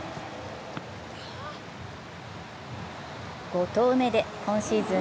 ５投目で今シーズン